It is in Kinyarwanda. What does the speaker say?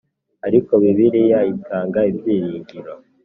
Ariko, Bibiliya itanga ibyiringiro